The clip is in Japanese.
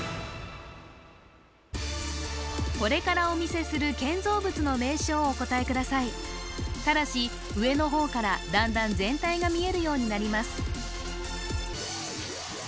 これからお見せする建造物の名称をお答えくださいただし上の方からだんだん全体が見えるようになります